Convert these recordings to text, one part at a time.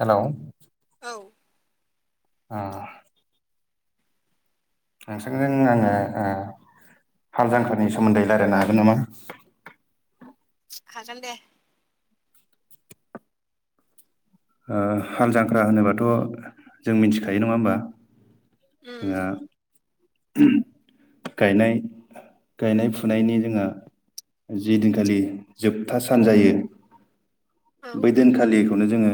हेल' औ अ नोंथांजों आङो ओ हाल जांक्रानि सोमोन्दै रायज्लायनो हागोन नामा? हागोन दे। ओ हाल जांख्रा होनोबाथ' जों मिथिखायो नङा होमबा? जोंहा उम गायनाय गायनाय-फुनायनि जोंहा जि दिनखालि जोबथा सान जायो औ बै दिनखालि बेखौनो जोङो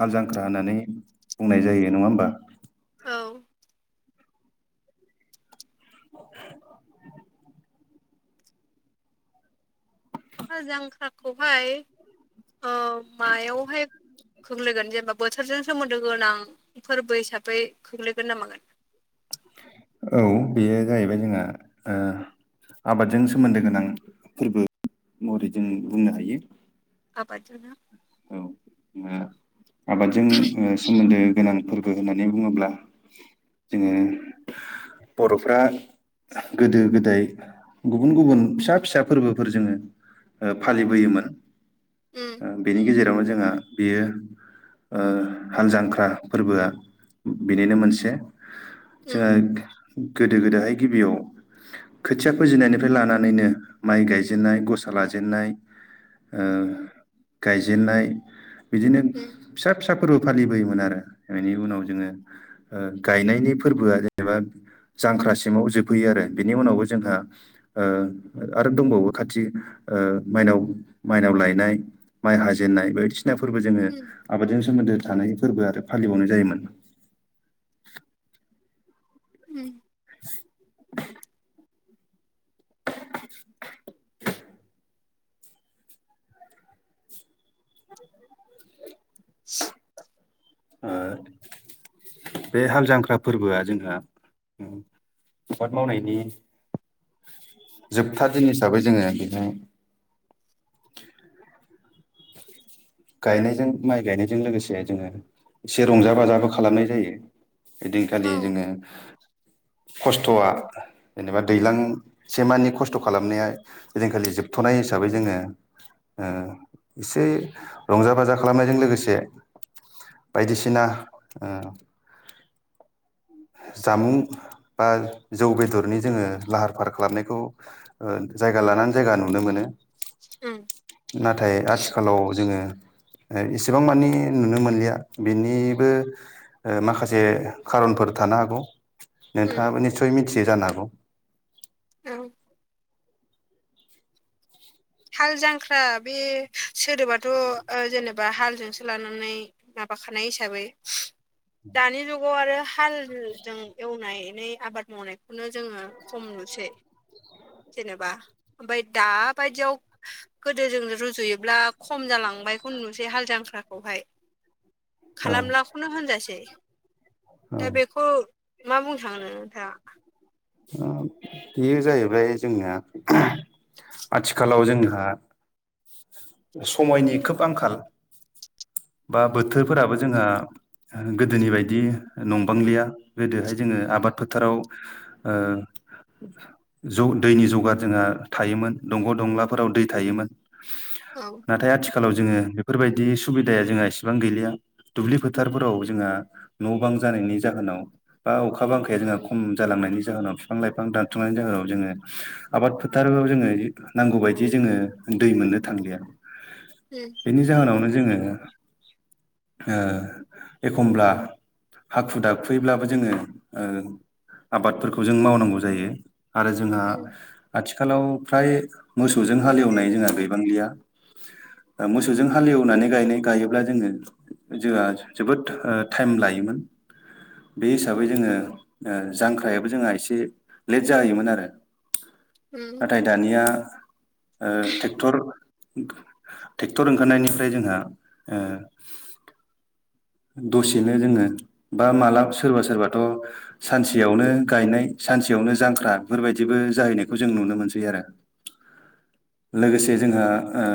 हाल जांख्रा होननानै बुंनाय जायो। नङा होमबा? औ [unintelligible] हाल जांख्राखौहाय मायावहाय खोख्लैगोन जेनेबा बोथोरजों सोमोन्दो गोनां फोरबो हिसाबै खोख्लैगोन नाामागोन? औ बेयो जाहैबाय जोंहा आबादजों सोमोन्दो गोनां फोरबो महरै जों बुंनो हायो। आबाद जों ना औ ओआबादजों सोमोन्दो गोनां फोरबो होननानै बुङोब्ला जोङो बर'फ्रा गोदो गोदाय गुबुन गुबुन फिसा फिसा फोरबोफोर जोङो फालिबोयोमोन उम ओ बेनि गेजेरावनो जोंहा बेयो हाल जांख्रा फोरबोआ बिनिनो मोनसे उम जोंहा गोदो गोदहाय गिबियाव खोथिया फोजेनायनिफ्राय लानानैनो माइ गायजेनन्नाय गसा लाजेनाय ओ गायजेनन्नाय बिदिनो उम फिसा फिसा फोरबो फालिबोयोमोन आरो बेनि उनाव जोङो गायनायनि फोरबोआ जेनेबा जांख्रासिमाव जोबहैयो आरो बिनि उनावबो जोंहा आरो दंबावो खाथि माइनाव माइनाव लायनाय माइ हाजेननाय बायदिसिना फोरबो जोङो उम आबादजों सोमोन्दो थानाय फोरबो आरो फालिबावनाय जायोमोन। उम [unintelligible] ए [unintelligible] ओ बे हाल जांख्रा फोरबोआ जोंहा आबाद मावनायनि जोबथा दिन हिसाबै जोङो बेहाय गायनायजों माइ गायनायजों लोगोसे जोङो एसे रंजा बाजाबो खालामनाय जायो। औ ओदिनखालि जोङो खस्थ'आ जेनेबा दैज्लां सेमानि खस्थ' खालामनाया जेदिनखालि जोबथ'नाय हिसाबै जोङो ओ एसे रंजा बाजा खालामनायजों लोगोसे बायदिसिना जामुं बा जौ बेदरनि जोङो लाहार फाहार खालामनायखौ जायगा लानानै जायगा नुनो मोनो उम नाथाय आथिखालाव जोङो इसेबां मानि नुनो मोनलिया बेनिबो माखासे खारनफोर थानो हागौ उम नोंथाङाबो निस्सय मिथियोै जानो हागौ औ हाल जांख्रा बे सोदोबाथ' जेनेबा हालजोंसो लानानै माबाखानाय हिसाबै दानि जुगाव आरो हाल जों एव एनानै आबाद मावनायखौनो जोङो खम नुसै जेनेबा ओमफ्राय दाबायदियाव गोदो जों रुजुयोब्ला खम जालांबाय ख नुनोसै हाल जांख्राखौहाय। हागौ खालामलाखौनो होनजासै दा औ बेखौ मा बुंनो सान्दों नोंथांआ ओ बेयो जाहैबाय जोंना आथिखालाव जोंहा समायनि खोब आंखाल बा बोथोरफोराबो जोंहा गोदोनि बायदि नंबांलिया गोदोहाय जोङो आबाद फोथाराव ओ ज दैनि जगार जोंहा थायोमोन दंग' दंलाफोराव दै थायोमोन। औ नाथाय आथिखालाव जोङो बेफोरबायदि सुबिदाया जोंहा एसेबां गैलिया दुब्लि फोथारफोराव जोंहा न' बां जानायनि जाहोनाव बा अखा बांखाया जोंहा खम जालांनायनि जाहोनाव बिफां लाइफां दानथुमनायनि जाहोनाव जोङो आबाद फोथाराव जोङो नांगौ बायदि जोङो दै मोननो थांलिया। उम बेनि जाहोनावनो जोङो ओ एखमब्ला हाखु दाखुैब्लाबो जोङो आबादफोरखौ जों मावनांगौ जायो। आरो जोंहा उम आथिखालाव फ्राय मोसौजों हालेवनाय जोंहा गैबांलिया। मोसौजों हालेवनानै गायनाय गायोब्ला जोङो जोंहा जोबोद टाइम लायोमोन। बे हिसाबै जोङो ओ जांख्रायाबो जोंहा एसे लेट जायोमोन आरो उम नाथाय दानिया ट्रेक्टर ट्रेक्टर ओंखारनायनिफ्राय जोंहा ओ दसेनो जोङो बा मालाब सोरबा सोरबाथ' सानसेयावनो गायनाय सानसेयावनो जांख्रा बेफोरबायदिबो जाहैनायखौ जों नुनो मोनसै आरो। लोगोसे जोंहा ओ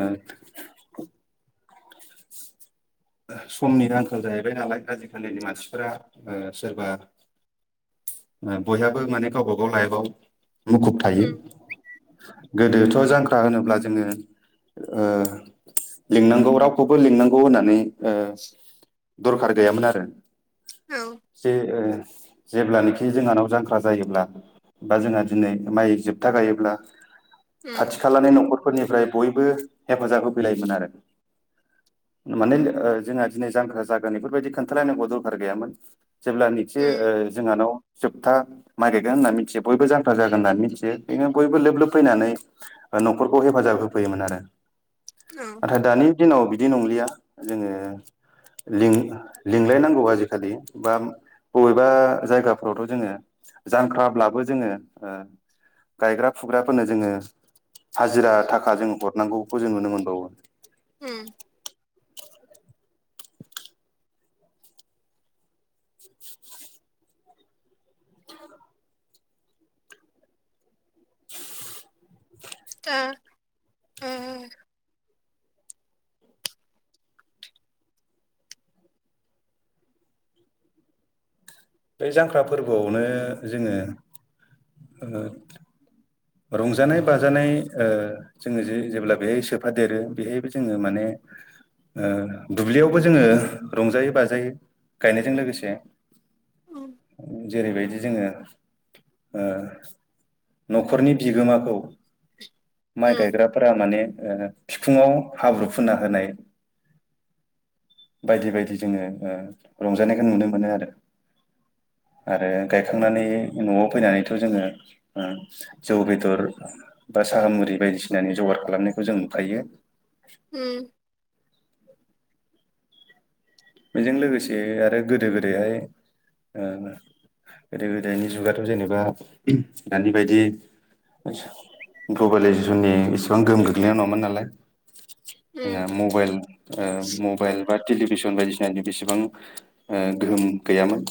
समनि आंखाल जाहैबाय नालाय आजिखालिनि मानसिफोरा ओ सोरबा बयहाबो माने गावबा गाव लाइफआव मुखुब थायो। उम गोदोथ' जांख्रा होनोब्ला जोङो ओ लिंनांगौ रावखौबो लिंनांगौ होननानै ओ दरखार गैयामोन आरो औ जे ओ जेब्लानोखि जोंहानाव जांख्रा जायोब्ला बा जोंहा दिनै माइ जोबथा गायोब्ला उम खाथि खालानि न'खर फोरनिफ्राय बयबो हेफाजाब होफैलायोमोन आरो माने ओ जोंहा दिनै जांख्रा जागोन बेफोरबायदि खोनथालायनांगौ दरखार गैयामोन जेब्ला निखि ओ उम जोंहानाव जोबथा माय गायगोन होन्नानै मिथियो बयबो जांख्रा जागोन होननानै मिथियो बेनो बयबो लोब लोब फैनानै ओ न'खरखौ हेफाजाब होफैयोमोन आरो। औ नाथाय दानि दिनाव बिदि नंलिया जोङो लिं लिंलायनांगौ आजिखालि बा बबेबा जायगाफ्रावथ' जोङो जांख्राब्लाबो जोङो ओ गायग्रा फुग्राफोरनो जोङो हाजिरा थाखा जों हरनांगौखौ जों नुनो मोनबावो। ओम दा ओ बे जांख्रा फोरबोआवनो जोङो ओ रंजानाय बाजानाय ओ जोङो जे जेब्ला बेहाय सोफादेरो बेहायबो जोङो माने ओ दुब्लियावबो जोङो रंजायै बाजायै गायनायजों लोगोसे उम जेरैबायदि जोङो ओ न'खरनि बिगोमाखौ माइ उम गायग्रा फोरा माने बिखुआव हाब्रु फुना होनाय बायदि बायदि जोङो ओ रंजानायखौ नुनो मोनो आरो। आरो गायखांनानै न'आव फैनानैथ' जोङो ओ जौ बेदर बा साहा मुरि बायदिसिनानि जगार खालामनायखौ जों नुफायो। उम बेजों लोगोसे आरो गोदो गोदायहाय ओ गोदो गोदायनि जुगाथ' जेनेबा दानि बायदि ग्लबेलाइजेसननि इसेबां गोहोम गोग्लैनाय नङामोन नालाय उम [unintelligible] मबाइल ओ मबाइल बा टेलिभिसन बायदिस दादि बिसेबां ओ गोहोम गैयामोन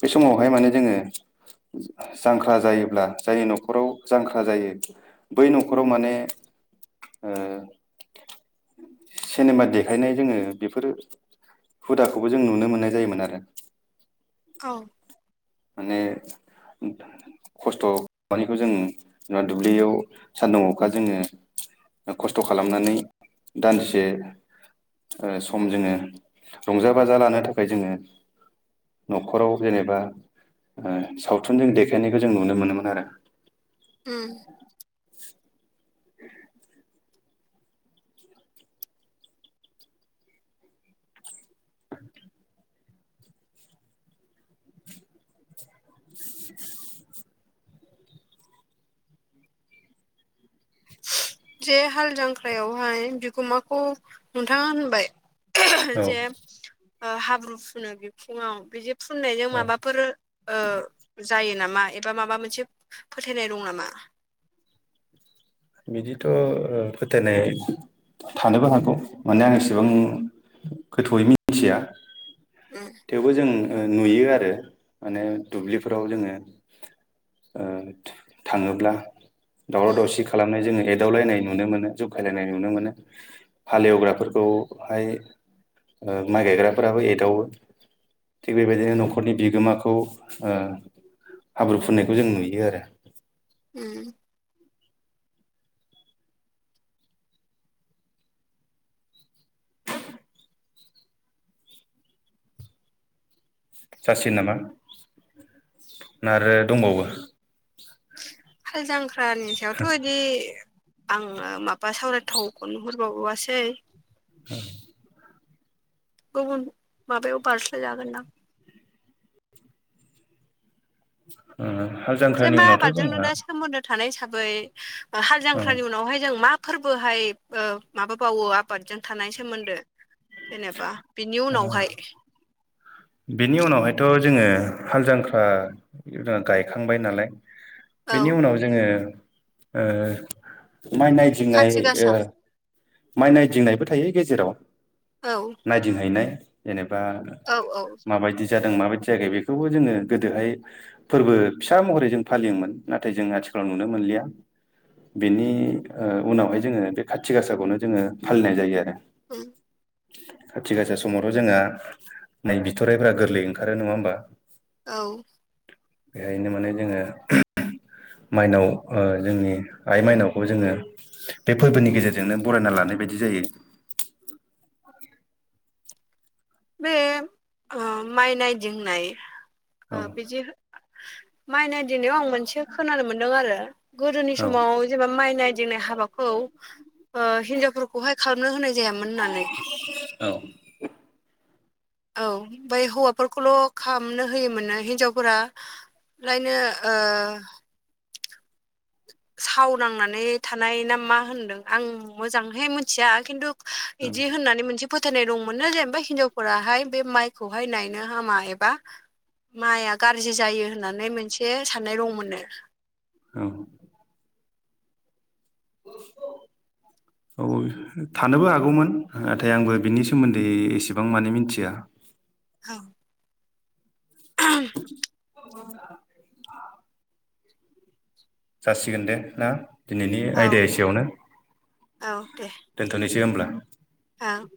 बे समावहाय माने जोङो जांख्रा जायोब्ला जायनि न'खराव जांख्रा जायो बै न'खराव माने ओ सिनेमा देखायनाय जोङो बेफोरो हुदाखौबो जों नुनो मोननाय जायोमोन आरो औ माने खस्थ' मा [unintelligible] खौ जों जा दुब्लियाव सान्दुं अखा जोङो खस्थ' खालामनानै दान्दिसे ओ सम जोङो रंजा बाजा लानो थाखाय जोङो न'खराव जेनेबा ओ सावथुनजों देखायनायखौ जों नुनो मोनोमोन आरो उम [inaudible] जे हाल जांख्रायावहाय बिगोमाखौ नोंथाङा होनबाय जे औ ओ हाब्रु फुनो बिखुङाव बिदिे फुननायजों औ माबाफोर ओ जायो नामा एबा माबा मोनसे फोथायनाय दं नामा? बिदिथ' ओ फोथायनाय थानोबो हागौ माने आं एसेबां गोथौयै मिथिया [unintelligible] थेवबो जों नुयो आरो माने दुब्लिफोराव जोङो ओ थाङोब्ला दावराव उम दावसिख खालामनाय जोङो एदावलायनाय नुनो मोनो जखायलायनाय नुनो मोनो हालेवग्राफोरखौहाय ओ माइ गायग्राफोराबो एदावो थिग बेबायदिनो न'खरनि बिगोमाखौ ओ हाब्रु फुननायखौ जों नुयो आरो उ जासिगोन नामा ना आरो दंबावो हाल जांख्रानि सायावथ' इदि आङो माबा सावरायथ [unintelligible] खौ नुहर [unintelligible] सै [inaudible] गुबुन माबायाव बारस्लाय जागोनदां ओ हाल जे जांख्रानि मा उनावथ' आबादजोंनो जोंहा दा सोमोन्दो थानाय हिसाबै हाल औ जांख्रानि उनावहाय जों मा फोरबोहाय ओ माबाबावो आबादजों थानाय सोमोन्दो जेनेबा बिनि उनावहाय [inaudible] बिनि उनावहायथ' जोङो हाल जांख्रा गायखांबाय नालाय औ बेनि उनाव जोङो ओ माइ नायदिंनाय खाथि ओ गासा माइ नायदिंनायबो थायो गेजेराव औ नायदिंहैनाय जेनेबा औ औ माबायदि जादों माबायदि जायाखै बेखौबो जोङो गोदोहाय फोरबो फिसा महरै जों फालियोमोन नाथाय जों आथिखालाव नुनो मोनलिया बेनि ओ उनावहाय जोङो बे खाथि गासाखौनो जोङो फालिनाय जायो आरो उम खाथि खाासा समावथ' जोंहा नै बिथररायफ्रा गोरलै ओंखारो नङा होमबा औ बेहायनो माने जोङो माइनाव ओ जोंनि आइ माइनावखौ जोङो बे फोरबोनि गेजेरजोंनो बरायना लानाय बायदि जायो। बे ओ माइनायदिंनाय औ ओ बिदि माइ नायदिनायाव आं मोनसे खोनानो मोनदों आरो गोदोनि औ समाव जेनेबा माइनाय दंनाय हाबाखौ ओ हिनजावफोरखौहाय खालामनो होनाय जायामोन होननानै औ औ ओमफ्राय हौवाफोरखौल' खालामामनो होयोमोननो हिनजावफोरा लायनो ओ सावनांनानै थानाय ना मा होनदों आं मोजांहाय मिथिया खिन्थु बिदि होननानै मोनसे फोथायनाय दंमोननो जेनबा हिनजावफोराहाय बे माइखौहाय नायनो हामा एबा माइआ गाज्रि जायो होननानै मोनसे साननाय दं मोननो। औ [unintelligible] [inaudible] औ थानोबो हागौमोन नाथाय आंबो बिनि सोमोन्दै एसेबां माने मिथिया। औ [unintelligible] [inaudible] जासिगोन दे ना दिनैनि औ आयदा एसेयावनो औ दोनथ'नोसै होमब्ला? औ